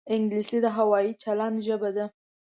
انګلیسي د هوايي چلند ژبه ده